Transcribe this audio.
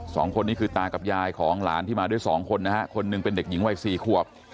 สองคนนี้คือตากับยายของหลานที่มาด้วยสองคนนะฮะคนหนึ่งเป็นเด็กหญิงวัยสี่ขวบ